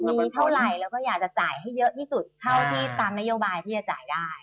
มีเท่าไหร่แล้วก็อยากจะจ่ายให้เยอะที่สุดเท่าที่ตามนโยบายที่จะจ่ายได้